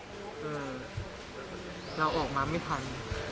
บางครั้งเราออกมาไม่พัน